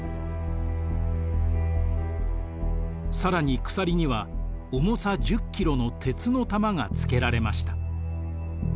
更に鎖には重さ１０キロの鉄の玉がつけられました。